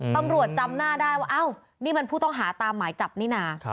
จำหน้าได้ว่าอ้าวนี่มันผู้ต้องหาตามหมายจับนี่นะ